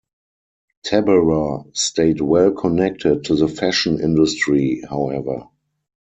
Tabberer stayed well connected to the fashion industry, however.